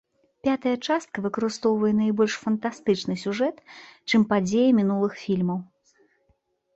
Пятая частка выкарыстоўвае найбольш фантастычны сюжэт, чым падзеі мінулых фільмаў.